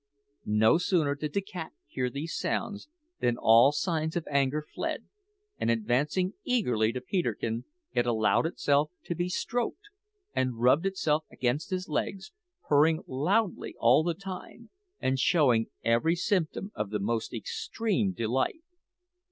No sooner did the cat hear these sounds than all signs of anger fled, and advancing eagerly to Peterkin, it allowed itself to be stroked, and rubbed itself against his legs, purring loudly all the time, and showing every symptom of the most extreme delight.